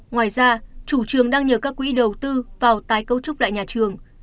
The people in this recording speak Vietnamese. ngoài ra chủ trường đang nhờ các quỹ đầu tư vào tái cấu trúc lại nhà trường